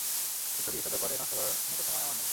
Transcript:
ঈশ্বরী, এসব ব্যাপারে নষ্ট করার মত সময় আমার নেই।